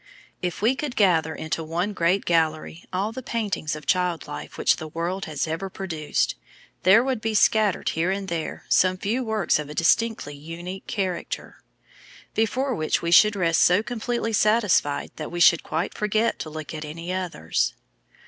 If we could gather into one great gallery all the paintings of child life which the world has ever produced, there would be scattered here and there some few works of a distinctly unique character, before which we should rest so completely satisfied that we should quite forget to look at any others.